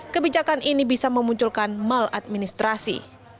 kebijakan ini bisa memunculkan maladministrasi